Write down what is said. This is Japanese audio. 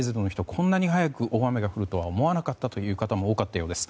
こんなに早く大雨が降るとは思わなかった人も多かったようです。